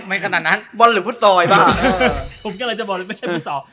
ไม่ขนาดนั้นบ้อนหรือพุทธซอยบ้าง